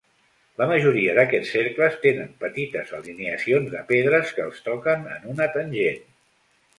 La majoria d'aquests cercles tenen petites alineacions de pedres que els toquen en una tangent.